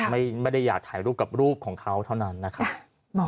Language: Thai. ไม่ได้อยากถ่ายรูปกับรูปของเขาเท่านั้นนะครับ